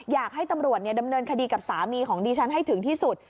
อยากให้ตำรวจดำเนินคดีกับสามีของดิฉันให้ถึงที่สุด